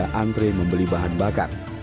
menteri membeli bahan bakat